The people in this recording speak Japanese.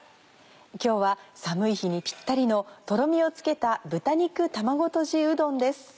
今日は寒い日にぴったりのとろみをつけた「豚肉卵とじうどん」です。